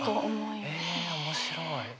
え面白い。